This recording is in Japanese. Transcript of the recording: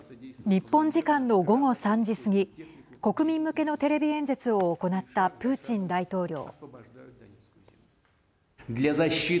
日本時間の午後３時過ぎ国民向けのテレビ演説を行ったプーチン大統領。